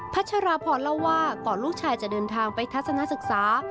ัชราพรเล่าว่าก่อนลูกชายจะเดินทางไปทัศนศึกษา